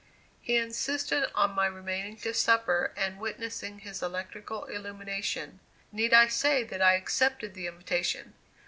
He insisted on my remaining to supper, and witnessing his electrical illumination. Need I say that I accepted the invitation?